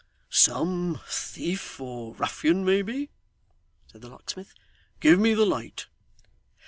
'Some thief or ruffian maybe,' said the locksmith. 'Give me the light.